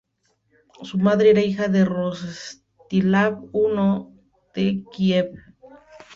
Su madre era hija de Rostislav I de Kiev.